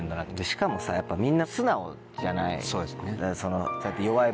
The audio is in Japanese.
しかもやっぱみんな素直じゃない？